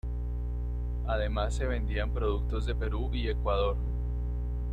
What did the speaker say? Además, se vendían productos de Perú y Ecuador.